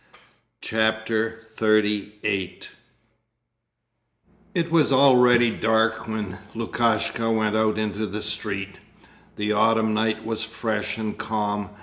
Chapter XXXVIII It was already dark when Lukashka went out into the street. The autumn night was fresh and calm.